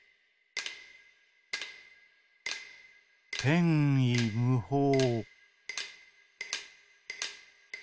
「てんいむほう」。